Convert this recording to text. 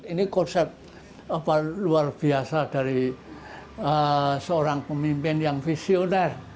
ini konsep luar biasa dari seorang pemimpin yang visioner